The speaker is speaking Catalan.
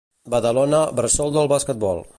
Badalona, bressol del basquetbol.